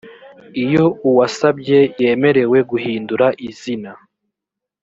iyo uwasabye yemerewe guhindura izina